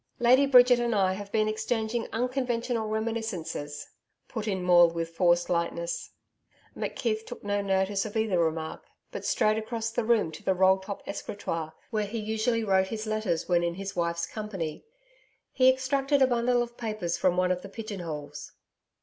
'Lady Bridget and I have been exchanging unconventional reminiscences,' put it Maule with forced lightness. McKeith took no notice of either remark, but strode across the room to the roll top escritoire, where he usually wrote his letters when in his wife's company. He extracted a bundle of papers from one of the pigeon holes.